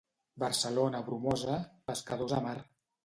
Barcelona bromosa, pescadors a mar.